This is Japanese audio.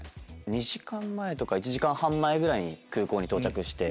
２時間前とか１時間半前ぐらいに空港に到着して。